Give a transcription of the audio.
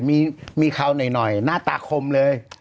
มีเขาหน่อยหน้าตาคมเลย